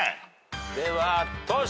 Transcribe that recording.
ではトシ。